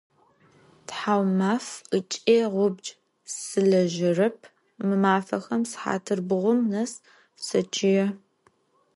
Thaumaf ıç'i ğubc sılejerep, mı mafexem, sıhatır bğum nes seççıê.